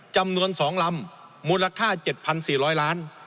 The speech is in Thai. จำนวน๒ลำมูลค่า๗๔๐๐ล้าน